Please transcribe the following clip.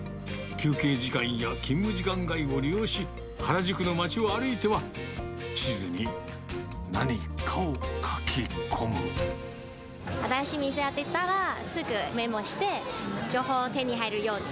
休憩時間や勤務時間外を利用し、原宿の街を歩いては、地図に何か新しい店が出来たら、すぐメモして、情報を手に入るように。